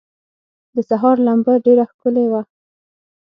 د سهار لمبه ډېره ښکلي وه.